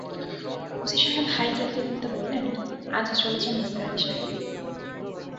OC সাহেব হাই তুলতে-তুলতে বললেন, আজ চলে যান নিসার আলি সাহেব।